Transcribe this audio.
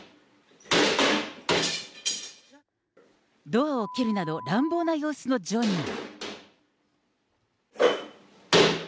ドアを蹴るなど、乱暴な様子のジョニー。